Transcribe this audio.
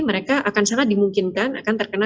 mereka akan sangat dimungkinkan akan terkena